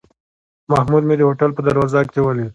محمود مې د هوټل په دروازه کې ولید.